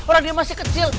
orang dia masih kecil